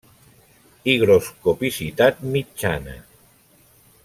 Higroscopicitat mitjana.